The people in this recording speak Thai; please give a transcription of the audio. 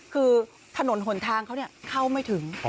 คือถนนหนทางเขาเข้าไม่ถึง